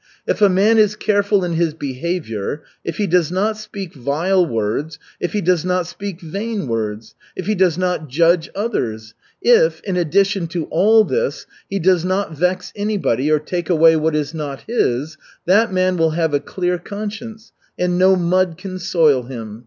If a man is careful in his behavior, if he does not speak vile words, if he does not speak vain words, if he does not judge others, if, in addition to all this, he does not vex anybody or take away what is not his that man will have a clear conscience, and no mud can soil him.